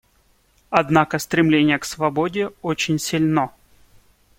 Однако стремление к свободе очень сильно.